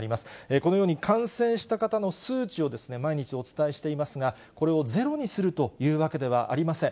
このように感染した方の数値を毎日お伝えしていますが、これをゼロにするというわけではありません。